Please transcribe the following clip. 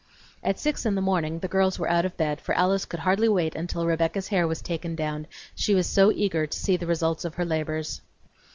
At six in the morning the girls were out of bed, for Alice could hardly wait until Rebecca's hair was taken down, she was so eager to see the result of her labors.